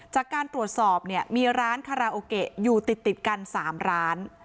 จากการตรวจสอบเนี่ยมีร้านคาราโอเกะอยู่ติดกัน๓ร้าน